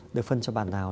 được phân cho bàn nào